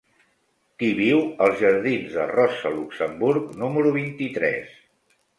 Qui viu als jardins de Rosa Luxemburg número vint-i-tres?